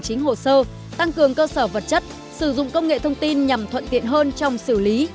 chính hồ sơ tăng cường cơ sở vật chất sử dụng công nghệ thông tin nhằm thuận tiện hơn trong xử lý